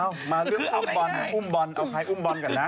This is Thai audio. อ้าวมาเรื่องอุ่มบอลอุ่มบอลกันนะ